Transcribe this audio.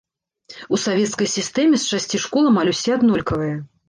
У савецкай сістэме з шасці школ амаль усе аднолькавыя.